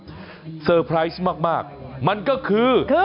หมอกิตติวัตรว่ายังไงบ้างมาเป็นผู้ทานที่นี่แล้วอยากรู้สึกยังไงบ้าง